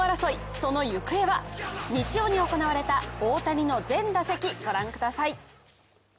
その行方は日曜に行われた大谷の全打席、御覧ください。